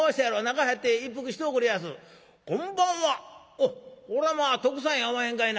「おっこれはまあ徳さんやおまへんかいな。